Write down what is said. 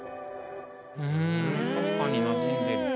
うん確かになじんでる。